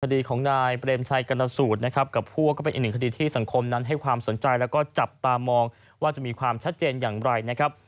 คดีของนายเปรมชัยกรณสูตรนะครับกับพวกก็เป็นอีกหนึ่งคดีที่สังคมนั้นให้ความสนใจแล้วก็จับตามองว่าจะมีความชัดเจนอย่างไรนะครับ